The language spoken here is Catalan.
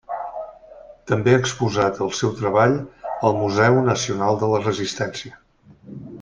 També ha exposat el seu treball al Museu Nacional de la Resistència.